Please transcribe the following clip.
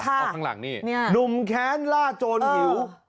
เอาข้างหลังนี่นี่